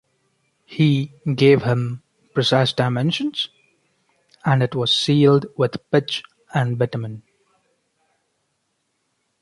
He gave him precise dimensions, and it was sealed with pitch and bitumen.